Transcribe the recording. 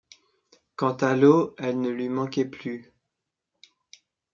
Quant à l’eau, elle ne lui manquait plus.